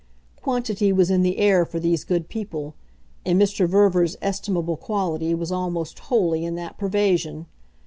Quantity was in the air for these good people, and Mr. Verver's estimable quality was almost wholly in that pervasion.